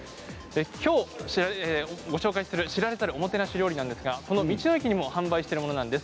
きょうご紹介する、知られざるおもてなし料理ですが道の駅でも販売しているものなんです。